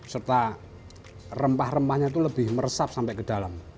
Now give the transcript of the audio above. serta rempah rempahnya itu lebih meresap sampai ke dalam